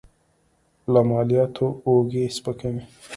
له مالیاتو اوږې سپکوي.